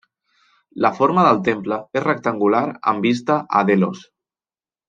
La forma del temple és rectangular amb vista a Delos.